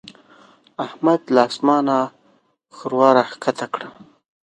احمد له اسمانه ښوروا راکښته کوي.